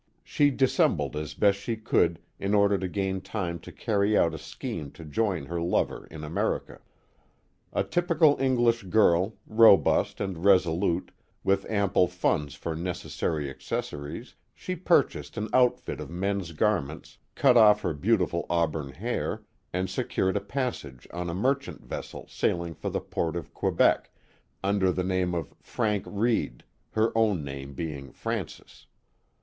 She dissembled as best she could in order to gain time to cany Legend of Mrs. Ross 241 out a scheme to join her lover in America. A typical English girl, robust and resolute, with ample funds for necessary ac cessories, she purchased an outfit of men's garments, cut off her beautiful auburn hair, and secured a passage on a mer chant vessel sailing for the port of Quebec, under the name of Frank Reade, her own name being Frances.